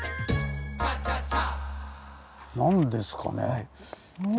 何ですかね？